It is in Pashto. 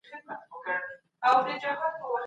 ما مخکي د سبا لپاره د هنرونو تمرين کړی وو.